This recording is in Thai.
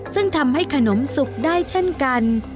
ซึ่งทำให้ขนมสุกได้เช่นกัน